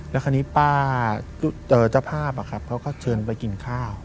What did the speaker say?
แล้วคราวนี้ป้าเจอเจ้าภาพเขาก็เชิญไปกินข้าว